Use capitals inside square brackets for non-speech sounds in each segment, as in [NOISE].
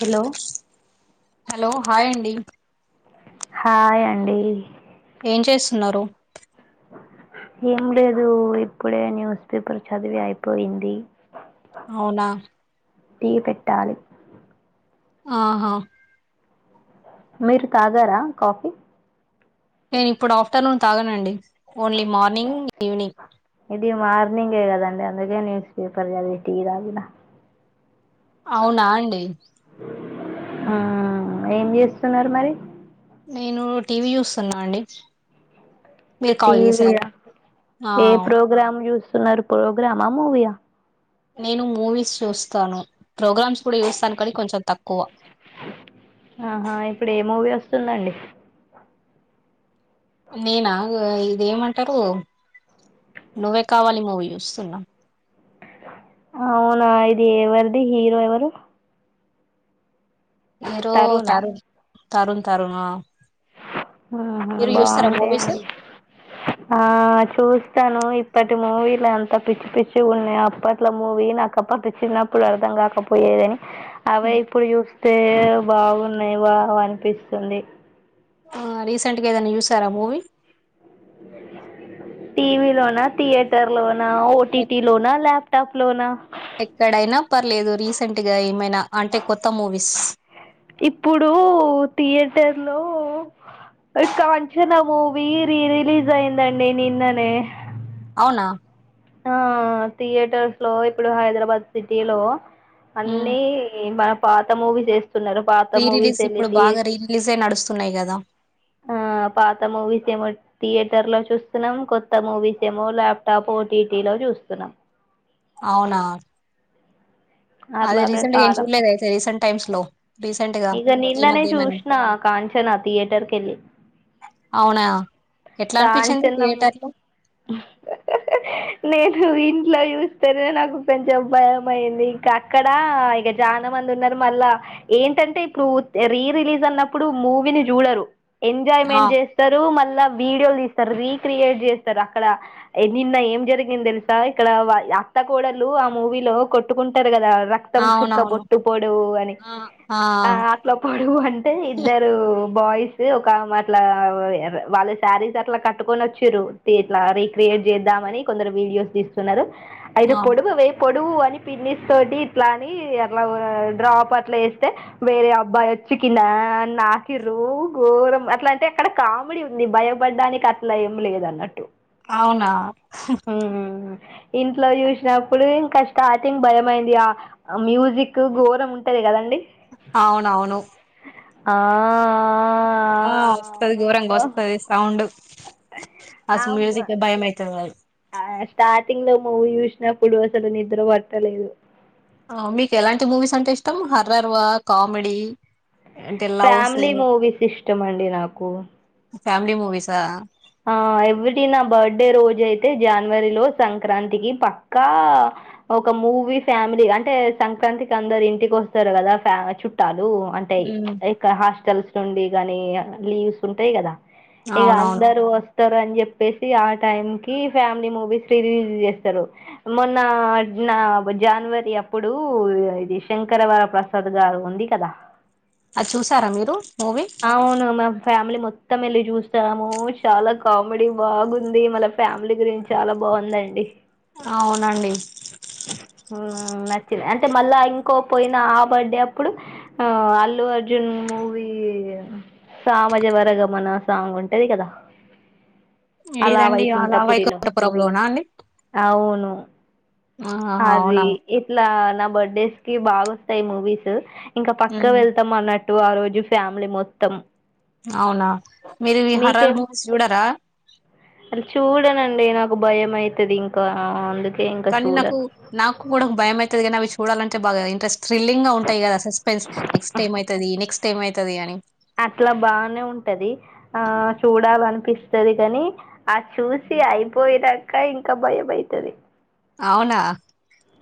Hello hello hi అండి hi అండి ఏం చేస్తున్నారు ఏం లేదు ఇప్పుడే న్యూస్ పేపర్ చదివి అయిపోయింది అవునా టీ పెట్టాలి ఆహా మీరు తాగారా కాఫీ నేను ఇప్పుడు ఆఫ్టర్నూన్ తాగనండి ఓన్లీ మార్నింగ్ యూనింగ్ ఇది మార్నింగే కదండి అందుకే న్యూస్ పేపర్ చదివి టీ తాగినా అవునా అండి ఆ ఏం చేస్తున్నారు మరి నేను టీవీ చూస్తున్నా అండి మీరు కాల్ టీవి చేశారు యా ఆ ఏ ప్రోగ్రామ్ చుస్ సున్నారు ప్రోగ్రామా మూవీయా నేను మూవీస్ చూస్తాను ప్రోగ్రామ్స్ కూడా చూస్తాను కానీ కొంచెం తక్కువ ఆహా ఇప్పుడు ఏ మూవీ వస్తుందండి. నేనా ఇగో ఇదేమంటారు నువ్వే కావాలి మూవీ చూస్తున్నా అవునా ఇది ఎవరిది హీరో ఎవరు మీరు తారు తరుణ్ తరుణ ఆ మూవీస్ బాగుంటాయిండి ఆ చూస్ తను ఇప్పటి మూవీల అంతా పిచ్చి పిచ్చి గా ఉన్నాయ్ అప్పట్లో మూవీ నాకప్పటి చిన్నప్పుడు అర్థం కాకపోయేదని అవే ఇప్పుడు చుస్త్ తే బాగున్నాయి బాగా అనిపిస్తుంది. ఆ రీసెంట్ గా ఏదైనా చుసారా మూవీ టీవి లోనా థియేటర్ లోన ఆ ఓటీటిటీ లోనా లాప్టాప్ లోనా ఎక్కడైనా పర్లేదు రీసెంట్ గా ఏమైనా అంటే కొత్త మూవీస్ ఇప్పుడు థియేటర్ లో కాంచనా మూవీ రీరిలీజ్ అయిందండి నిన్ననే అవునా ఆ థియేటర్స్ లో ఇప్పుడు హైదరాబాద్ సిటీ లో హ్మ్ అన్నీ మ పాత మూవీ చేస్ స్తన్నారూ పాత రీ మూవిస్ రిలీజ్ ఇప్పుడు ఎల్లి బాగా రీ రిలీజ్ అయి నడుస్తున్నాయి కదా అ పాత మూవిస్ ఏ మ థియేటర్ లో చూస్తున్నాం కొత్త మూవీస్ ఏమో ల్యాప్టాప్ ఒ టీటి లో చూస్తున్నాం అవునా అది అట్లాగే రీసెంట్ గా ఏం కాలం చూడ్లేదా అయితే రీసెంట్ టైమ్స్ లో రీసెంట్ గా ఇక ఈ నిన్ననే మధ్య ఏమైనా చూసిన కాంచనా థియేటర్కి ఎళ్ళి అవునా ఎట్లా అనిపించింది కాంచన్నం థియేటర్ లో నేను ఇంట్లో చూస్తేనే నాకు కొంచం భయం అయింది ఇంకా అక్కడ ఇక చాలా మంది ఉన్నారు మళ్ళా ఏంటంటే ఇప్పుడు రీ రిలీజ్ అన్నప్పుడు మూవీని చూడరు ఆ ఎంజాయ్మెంట్ చేస్తారు మళ్ళా వీడియోలు తీస్తారు రీక్రియేట్ చేస్తారు అక్కడ నిన్న ఏం జరిగింది తెలుసా ఇక్కడ అత్త కోడలు ఆ మూవీలో కొట్టుకుంట కదా రక్తం చుక్క అవునవును బొట్టు పొడువు అని ఆ అట్ల పొడువు అంటే ఇద్దరు బాయ్స్ ఒకమే అట్ల వాళ్ళ శారీస్ అట్లా కట్టుకొని వచ్చార్రు ఇట్లా రీక్రియేట్ చేద్దామని కొందరు వీడియోస్ తీస్తున్నారు అయితే ఆ పొడువ వే పొడువు అని పిన్నిస్ తోటి ఇట్లాని అట్లా డ్రాప్ అట్లా వేస్తే వేరే అబ్బాయి వచ్చి కినా నాకి రూ ఘోరం అట్లా అంటే అక్కడ కామెడీ ఉంది భయం బడ్డానికి అట్లా ఏం లేదు అన్నట్టు అవునా ఇంట్లో చూసినప్పుడు ఇంకా స్టార్టింగ్ భయ అయింది ఆ మ్యూజిక్ ఘోరం ఉంటది కదండి అవునవును ఆ ఆ వస్తది ఘోరంగా వస్తది సౌండ్ అస్ అమ్మ మ్యూజికే బయమయిత [UNINTELLIGIBLE] ఆ స్టార్టింగ్ లో మూవీ చూసినప్పుడు అసలు నిద్ర పట్టలేదు మీకు ఎలాంటి మూవీస్ అంటే ఇష్టం హరర్వా కామెడీ అంటే లవ్స్ ఫ్యామిలీ మూవీస్ ఇష్టమండి నాకు ఫ్యామిలీ మూవీసా ఆ ఎవ్రీ నా బర్త్డే రోజయితే జాన్వరిలో సంక్రాంతికి పక్కా ఒక మూవీ ఫ్యామిలీ అంటే సంక్రాంతికి అందరు ఇంటికి వస్తారు కదా ఫ్యా చుట్టాలు లూ అంటే లైక్క హాస్టల్స్ నుండి గానీ లీవ్స్ ఉంటాయి కదా అవునవును వస్తరు అని చెప్పేసి ఆ టైం కి ఫ్యామిలీ మూవీస్ రిలీజ్ చేస్తరు మొన్నా నా బ జాన్వరి అప్పుడూ ఇది శంకరవర ప్రసాద్ గారు ఉంది కదా అది చూసారా మీరు మూవీ అవును మా ఫ్యామిలీ మొ త్తం ఎళ్ళి చూశాము చాలా కామెడీ బాగుంది మళ ఫ్యామిలీ గురించి చాలా బాగుందండి అవునండి ది అంటె మళ్ళా ఇంకో పోయిన ఆ బర్డే అప్పుడు ఆ అల్లు అర్జున్ మూవీ సా మజ వర గమన సాంగ్ ఉంటది కదా అలా ఏదండి అలా వైకుంఠపురిలో వైకుంఠపురం లోన అండి అవును. ఆహా అది అవునా ఇట్లా నా బర్త్డేస్ కి బాగొస్తాయి మూవీస్ ఇంకా పక్క హ్మ్. వెళ్తాం అన్న ఆ రోజు ఫ్యా మిలి మొత్తం అవునా మీరు ఇవి హరర్ మీకేం మూవీస్ చూడరా [UNINTELLIGIBLE] చూడనండి నాకు భయం అయితది ఇంకా అందుకు కానీ నాకు నాకు కూడా భయం అయితది కానీ అవి చూడాల టే బాగ ఇంట్రెస్ట్ థ్రిల్ంగ్ గా ఉంటయి కదా సస్పెన్స్ నెక్స్ట్ ఏమైతది నెక్స్ టేమైతది అని అట్లా బానే ఉంటది ఆ చూడాలనిపిస్తది కాని ఆ చూసి అయిపోయినాక ఇంకా భయం అయితది అవునా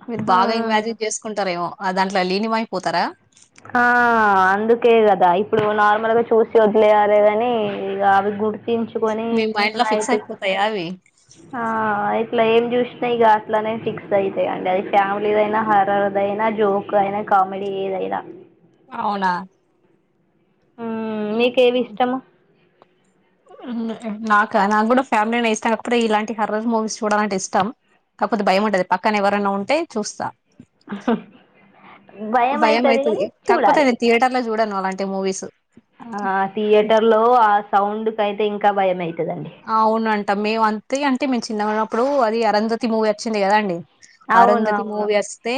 మీరు ఆ బాగా ఇమాజిన్ చేసుకుంటారేమో ఆ దాంట్లో ట్ల లీనిమయి పోతారా ఆ అందుకే కదా ఇప్పుడు నార్మల్ గా చూసి వదిలేయారేదాని ఇక అవి గు ర్తించుకొని మీ మైండ్ లో ఫిక్స్ నైట్ అయిపోతాయా అవి ఆ ఇట్లా ఏం చూసినా ఇక అట్లనే ఫిక్స్ అయితాయండి అది ఫ్యామిలీదయినా హరదయినా జోక్ అయినా కామెడీ ఏదైనా అవునా హమ్ మీకేవి ఇష్టము హమ్ అ నాక నాక్కూడ ఫ్యామిలీనే ఇష్టం కాకపోతే ఇలాంటి హరర్ మూవీస్ చూడలీ అంటే ఇష్టం కాకపోతే భయం ఉంటది పక్కన ఎవరన్న ఉంటే చూస్తా [UNINTELLIGIBLE] భయం అయితది కక్పోతతే నేన్ తథయటర్లలో చూడాను అలాంటి మూవీస్ ఆ థియేటర్ లో ఆ సౌండ్ కి అయితే ఇంకా భయ అయితుంది అవును అంటా మేము అంతే అంటే మేము చిన్న ప్పుడు అది అరంధతీ మూవీ వచ్చింది కదా అండి అవును అరుంధతి అవును మూవీ వస్తే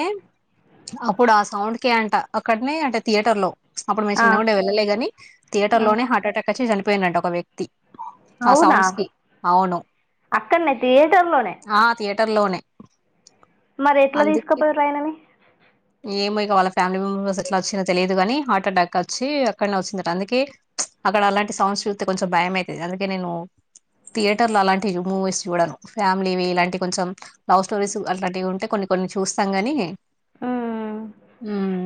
అప్పుడు సౌండ్ కే అంట అక్కడనే అంటే థియేటర్ లో అప్పుడు మేము ఆ చిన్నగుండె వెళ్లేగానీ థియేటర్ ఆ లోనే హార్ట్ అటాక్ వచ్చి చని పోయినట్టు ఒక వ్యక్తి ఆ అవునా సౌండ్స్ కి అవును అక్కనే థియేటర్ లోనే టర్ లోనే మరి ఎట్లా అందుకే తీసుకపోయారు ఆయనని ఏమైకో వాళ్ళ ఫ్యామిలీ మెంబ ఎట్లా వచ్చినందో తెలిదు గాని హార్ట్ అటాక్ వచ్చి అక్కడనే వచ్చిందట అందుకే అక్కడ అలాంటి సౌండ్స్ చూతే కొంచెం భయం ఐతది అందుకే నేను థియేటర్ లో అలాంటి మూవీస్ చూడను, ఫ్యామిలీవి ఇలాంటి కొంచెం లవ్ స్టోరీస్ అట్లాంటివి ఉంటే కొన్ని కొన్ని చూస్తాం కాని మ్మ్ మ్మ్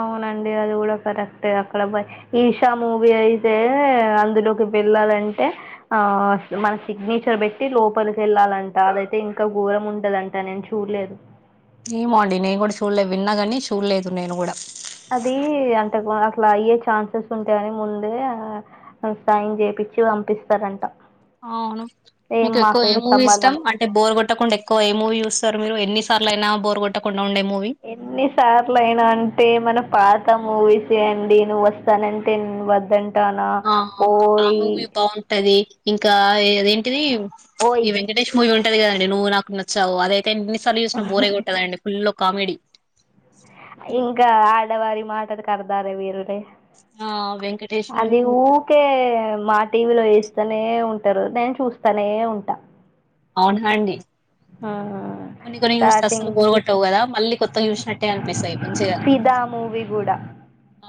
అవునండి అది కూడా కరెక్టే అక్కడ ఈషా మూవీ అయితే అందులోకి వెళ్ళాలంటే ఆ మన సిగ్నేచర్ పెట్టి లోపలికి వెళ్ళాలంట అదైతే ఇంకా ఘోరం ఉంటదంట నేను చూడలేదు ఏమోండి నేను కూడా చూడలే విన్నాగాని చూడలేదు నేను కూడా అది అంతకు అసలయ్యే ఛాన్సెస్ ఉంటే అది ముందే సైన్ చేపించి పంపిస్తారంట అవును ఏం మీకు ఎక్కువ ఏ మాకేం మూవీ ఇష్టం, సంబంధం అంటే బోర్ కొట్టకుండా ఎక్కువ ఏ మూవీ చూస్తారు మీరు ఎన్ని సార్లైనా బోర్ కొట్టకు ఎన్నిసార్లు అయినా అంటే మన పాత నా మూవీసే అండి నువ్వు వస్తానంటే నేను వద్దం ఆ ఆ [INAUDIBLE] ఉంటది ఇంకా అదేంటిది ఓయ్ ఈ వెంకటేష్ మూవీ ఉం అది కదండీ నువ్వు నాకు నచ్చావు అదే ఎన్నిసార్లు చూసిన బోరే కొట్టదండి ఫుల్ కామెడి ఇంకా ఆడవారి మాటలకు అర్థాలే వేరులే ఆ వెంకటేష్ అది ఊకే మాట్ టీవీలో వేస్తానే ఉంటారు నేను చూస్తానే ఉంటా అవునా అండి ఆహా కొన్ని కొన్ని చూస్తే అస్సలు బోర్ గొట్టవు కదా మళ్ళీ కొత్తగా చూసినట్టే అనిపిస్తాయి మంచిగా ఫిదా మూవీ కూడా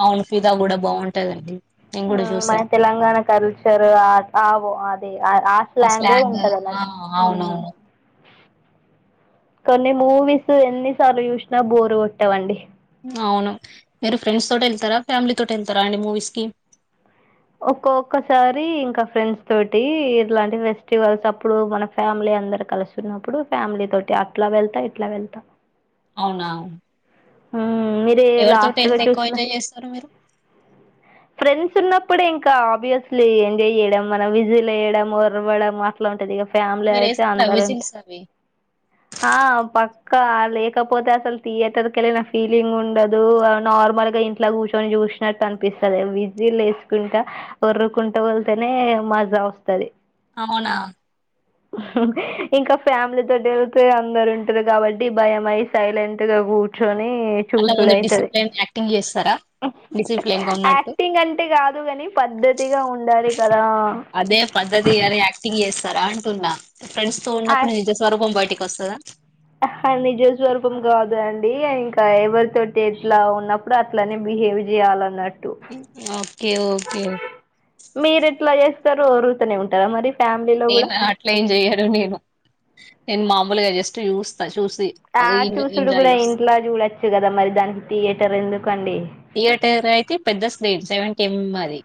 అవును ఫిదా కూడా బాగుంటదండి నేను కూడా మన చూసా తెలంగాణ కల్చర్వో అది మాస్ ఆ లాంగ్వే స్లాంగ్ ఉంటంది ఆ అన్నట్టు అవునవును కొన్ని మూవీస్ ఎన్నిసార్లు చూసినా బోరు కొట్టవండి అవును మీరు ఫ్రెండ్స్ తోటే వెళ్తారా? ఫ్యామిలీ తోట వెళ్తారా అండి మూవీస్ కి ఒక్కొక్కసారి ఇంకా ఫ్రెండ్స్ తోటి ఇలాంటి ఫెస్టివల్స్ అప్పుడు మన ఫ్యామిలీ అందరు కలిసున్నప్పుడు ఫ్యామిలీ తోటి అట్లా వెళ్తా ఇట్లా వెళ్తా అవునా మ్మ్ ఉమ్ మీదే ఎవరితోటి లాస్ట్ గా వెళ్తే ఎక్కువ చూసిన, ఎంజాయ్ చేస్తారు మీరు ఫ్రెండ్స్ ఉన్నప్పుడే ఇంక్ కా ఆబ్వీయస్లీ ఎంజాయ్ చేయ్యడం, మనం విజిల్ యేయడం, ఒరవడం అట్ల ఉంటదిగ. ఫ్యామిలీ మీరు అయితే వేస్తారా అందరుంటరు. విజిల్స్ అవి ఆ ప కా లేకపోతే అసలు థియేటర్ కెళ్ళిన ఫీలింగ్ ఉండదు ఆ నార్మల్ గ ఇంట్ల కూర్చొని చూసినట్టు అనిపిస్తది. విజిలేసుకుంట ఒర్రుకుంట వెళ్తేనే మజా వస్తది. అవునా? ఇంక ఫ్యామిలీ తోటెళ్తే, అందరు ఉంటరు కాబట్టి భయం అయి సైలెంట్ గా కూర్ ని అట్లా చూసుడు ముందు అయితది. డిసిప్లిన్ యాక్టింగ్ చేస్తారా డిసిప్లిన్ గా ఉన్నట్టు యాక్టింగ్ అంటే కాదు కని, పద్ధతిగా ఉండాలి కదా. త్తరా అంటున్న. ఫ్రెండ్స్ తో ఉన్నప్పుడు, నిజ స్వరూపం బయటిక్ వస్తదా? అహా, నిజ స్వరూపం కాదు అండి. ఇంకా ఎవరి తోటి ఎట్లా ఉన్నప్పుడు, అట్లనే బిహేవ్ చేయాలన్నట్ ఓకే ఓకే. తరు ఒర్రుతనే ఉంటరా మరి? ఫ్యామిలీలో కూడా నేనా? అట్లెం చెయ్యను నేను. నేను మామూలుగ జస్ట్ చూస్తా, చూస్ ఆ చూసుడు కూడ ఇంట్ల చూడచ్చు కద మరి, దానికి థియేటర్ ఎందుకు అండి? థియేటర్ అయితే పెద్ద స్క్రీన్ సెవెంటీ ఎం ఎం అది.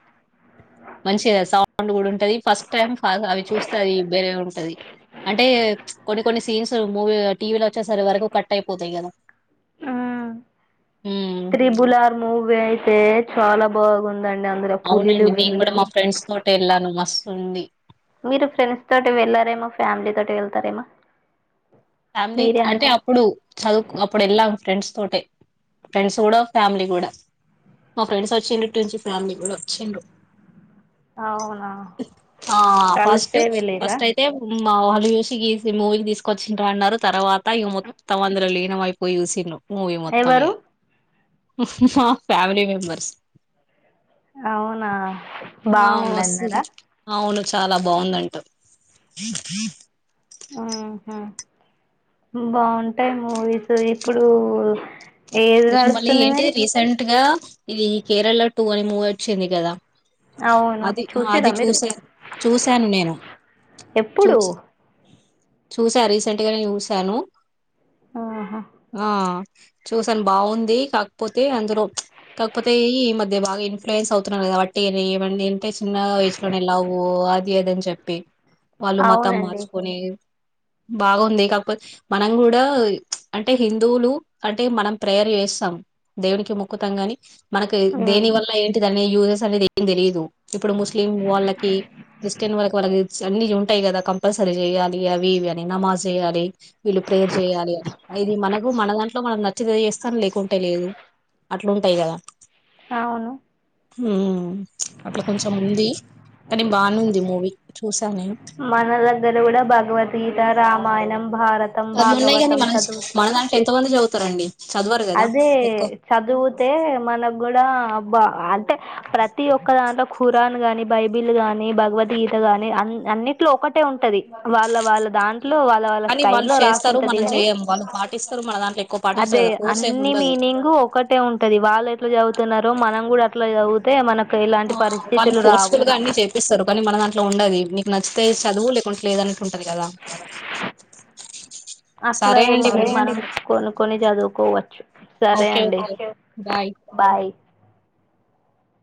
మంచిగ సౌండ్ కూడ ఉంటంది. ఫస్ట్ టైమ్ ఆ అవి చూస్తే అది బేరే ఉంటది. అంటే కొన్ని కొన్ని సీన్స్ మూవీ టీవీలో వచ్చేసర్ వరకు కట్ అయిపోతయి కదా. ఆ, ఉమ్, త్రిబులర్ మూవీ అయితే చాల బాగుంద్ అవునండి, నేను కూడ మా ఫ్రెండ్స్ తోటెళ్ళాను మస్ తుంది. మీరు ఫ్రెండ్స్ తోటి వెళ్లారేమో? ఫ్యామిలీ తోటి ఎళ్తరేమో? ఫ్యామిలీ అంటే, అప్పుడు చదువుక్ అప్పుడు ఎళ్ళాం ఫ్రెండ్స్. తోటే, ఫ్రెండ్స్ కూడా ఫ్యామిలీ కూడా. మా ఫ్రెండ్స్ వచ్చిన్రు ఇటునుంచి ఫ్యామిలీ కూడా వచ్చిన్రు. అవునా ఆ ఫస్ట్, కలిసే వెళ్ళిరా ఫస్ట్ అయితే ఉమ్ మా వాళ్ళు చూసి, ఈ మూవీకి తీసుకొచ్ ఇంక అన్నరు తర్వాత, ఇగ మొత్తం అందులో లీనమయిపోయి చూసిన్రు. మూవి మొత్తం ఎవరు ఇగా మా ఫ్యామిలీ మెంబర్స్. అవునా? ఆ! వస్తది. బాగుందన్నరా? అవును. చాలా బాగుందంట. ఆ హ, బాగుంటయ్ మూవీస్. సో, ఇప్పుడు. ఏది నేను మళ్ళీ నడుస్తుంది ఏంటిది, మరి రీసెంట్ గా. ఇది కేరళ టూ అని మూవీ వచ్చింది కదా అవును అది అది చూసిర్రా మీరు చూసా చూసాను నేను ఎప్పుడు చూస చూసా రీసెంట్ గా నే చూసాను ఆహా ఆ చూస్ తను బాగుంది కాకపోతే అందలో కాకపోతే ఈ మధ్య బాగా ఇన్ఫ్లుయెన్స్ అవుతున్నారు కదా వాటి ఏమన్ని టే చిన్నగ వయసులోనే లవ్వు అద్ ది అదని చెప్పి వాళ్ళు మతం అవునండి మార్చుకొని బాగుంది కాకపోతే మనం కూడా అంటే హిందువులు అంటే మనం ప్రేయర్ చేస్తాం దేవునికి మొక్కుతాం గాని మనకు దేని ఉమ్ వల్ల ఏంటిదన్ ని యూజెస్ అన్ని [UNINTELLIGIBLE] తెలిదు ఇప్పుడు ముస్లిం వాళ్ళకి క్రిస్టియన్ వాళ్ళకి వాళ్ళ [UNINTELLIGIBLE] అన్ని ఉంటాయి కదా కంపల్సరీ చేయాలి అవి ఇవి అని నమాజ్ చేయాలి వీళ్ళు ప్రేయర్ చేయాలి అని ఇది మనకు మన దాంట్లో మనంగ చి చేయిస్తాను లేకుంటే లేదు అట్లుంటయి కదా అవును ఉమ్మ్ అట్లా కొంచెం ఉంది కానీ బానుంది మూవీ చూసా నేను మన మాయణం అవి ఉన్నాయి కాని మన మన దాంట్లో ఎంత మంది చదువుతారండి చదవరు కదా అదే ఎక్కువ చదువుతే మనకు కూడా అబ్బ అంటే ప్రతి ఒక్క దాంట్లో ఖురాన్ గాని బైబిల్ గాని భగవద్గీత గాని అన్నిట్లో ఒకటే ఉంటది వాళ్ళ వాళ్ళ దాంట్ కానీ వాళ్ళు చేస్తారు మనం చేయము వాళ్ళు పాటిస్తారు మన దాంట్లో ఎక్కువ పాటిస్తారు అదే కదా ఏమి అన్ని ఉండదు మీనింగ్ ఒకటే ఉంటది వాళ్ళ ఎట్ల చే చదువుతున్నారు మనం కూడా అట్లా చదువుతే మనకు ఎలాంటి ఆ వాళ్ళు పరిస్థితులు రావు ఫోర్స్ఫుల్ గా అన్ని చేపిస్తారు కానీ మన దాంట్లో ఉండది నీకు నచ్చితే చదువు లేక్ కుంట్లేదన్ అట్లా సరే అండి ఏముండది మరి మనం కొన్ని కొన్ని చదువుకోవ సరే ఓకే అండి ఓకే బాయ్ బాయ్